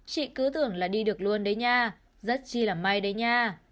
sướng là đi được luôn đấy nha rất chi là may đấy nha